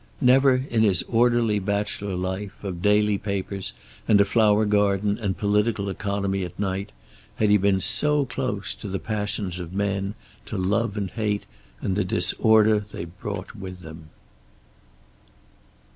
Never, in his orderly bachelor life, of daily papers and a flower garden and political economy at night, had he been so close to the passions of men to love and hate and the disorder they brought with them.